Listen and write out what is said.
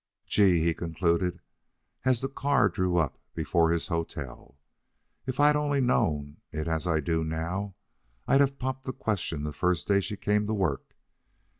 "Gee!" he concluded, as the car drew up before his hotel. "If I'd only known it as I do now, I'd have popped the question the first day she came to work.